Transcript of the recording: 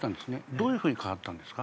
どういうふうに変わったんですか？